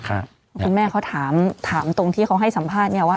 คุณแม่เขาถามตรงที่เขาให้สัมภาษณ์เนี่ยว่า